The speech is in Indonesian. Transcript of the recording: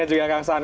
dan juga kang san